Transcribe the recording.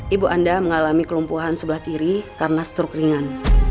ibu anda mengalami kelumpuhan sebelah kiri karena struk ringan